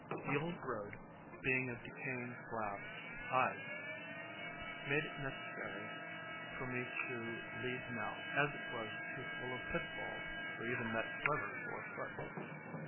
The old road, being of decay ing slabs ides , made it necessary for me to lead Nell, as it was too full of pit falls for even that clever four foot.